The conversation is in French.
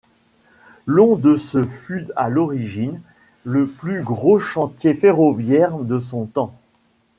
Long de ce fut à l'origine, le plus gros chantier ferroviaire de son temps.